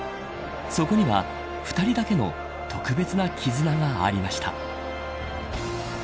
そこには２人だけの特別な絆がありました。